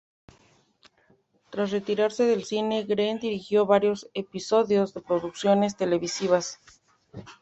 Tras retirarse del cine, Green dirigió varios episodios de producciones televisivas.